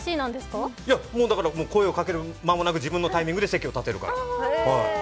声をかける間もなく自分のタイミングで席を立てるから。